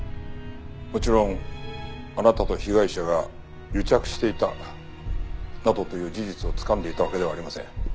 もちろんあなたと被害者が癒着していたなどという事実をつかんでいたわけではありません。